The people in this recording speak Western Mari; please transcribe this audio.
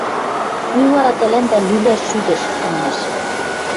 Кӱ вара тӓлӓндӓ лӱлӓш шӱдӹш?! – манеш.